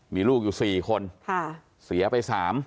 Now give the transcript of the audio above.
มีลูกอยู่๔คนเสียไป๓